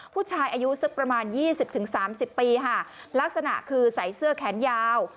ผู้ชายอายุสักประมาณ๒๐๓๐ปีค่ะลักษณะคือใส่เสื้อแขนยาว